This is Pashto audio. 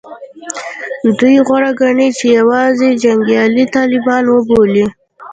دوی غوره ګڼي چې یوازې جنګیالي طالبان وبولي